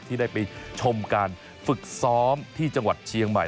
ที่ได้ไปชมการฝึกซ้อมที่จังหวัดเชียงใหม่